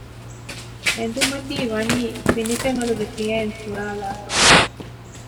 އެނދުމަތީ ވަނީ ފިނިފެންމަލުގެ ފިޔައިން ފުރާލާފަ